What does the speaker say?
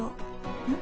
うん？